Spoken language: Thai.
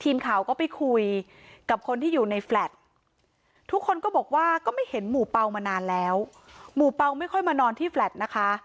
ทีมข่าวของเราก็เลยไปตรวจสอบที่แฟลต์ตำรวจที่สอบภาวเมืองชายนาฏไปดูเบาะแสตามที่ชาวเน็ตแจ้งมาว่า